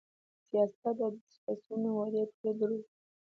سیاست او د سیاسیونو وعدې ټولې دروغ وې